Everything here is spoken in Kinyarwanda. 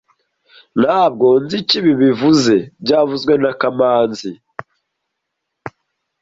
Ntabwo nzi icyo ibi bivuze byavuzwe na kamanzi